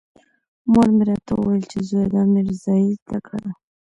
مور مې راته ويل چې زويه دا ميرزايي زده کړه.